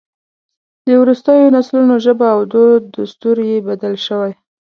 د وروستیو نسلونو ژبه او دود دستور یې بدل شوی.